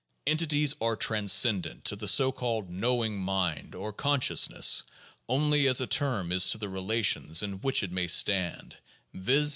Entities are transcendent to the so called "knowing mind" or "consciousness" only as a term is to the relations in which it may stand, viz.